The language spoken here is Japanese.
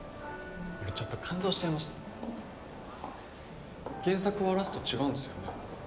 俺ちょっと感動しちゃいました原作はラスト違うんですよね？